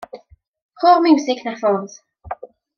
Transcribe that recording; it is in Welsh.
Rho'r miwsig 'na ffwrdd.